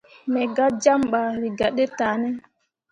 Me gah jam ɓah wǝ gah ɗe tah ne.